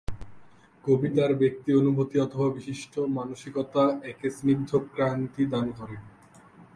কবি তার ব্যক্তি-অনুভূতি অথবা বিশিষ্ট মানসিকতা একে স্নিগ্ধ কান্তি দান করে।